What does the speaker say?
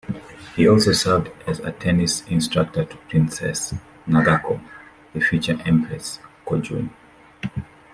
He also served as a tennis instructor to Princess Nagako, the future Empress Kojun.